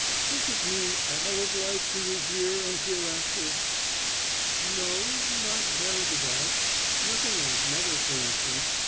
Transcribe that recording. Does it mean all of life to you here and hereafter?" "No, not very devout. Nothing like mother, for instance.